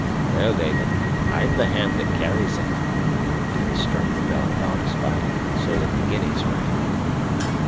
Well, David, I'm the hand that carries it." And he struck the belt about his body, so that the guineas rang.